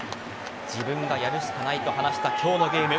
自分がやるしかないと話した今日のゲーム